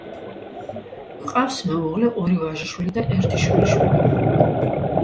ჰყავს მეუღლე, ორი ვაჟიშვილი და ერთი შვილიშვილი.